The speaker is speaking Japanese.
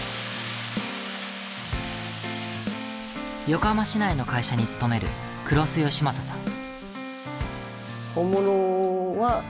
横浜市内の会社に勤める黒須由雅さん。